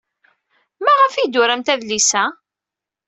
Maɣef ay d-turamt adlis-a?